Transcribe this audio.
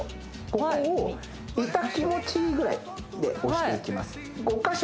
ここを痛気持ちいいぐらいで押していきます